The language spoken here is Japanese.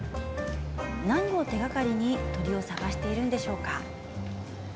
何を手がかりに鳥を探しているんでしょうか。